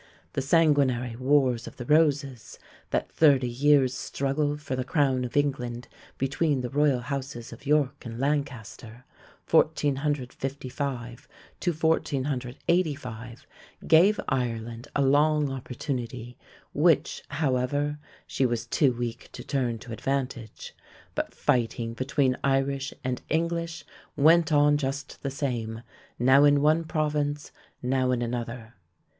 The sanguinary "Wars of the Roses" that thirty years' struggle for the crown of England between the royal houses of York and Lancaster, 1455 to 1485 gave Ireland a long opportunity, which, however, she was too weak to turn to advantage; but fighting between Irish and English went on just the same, now in one province, now in another.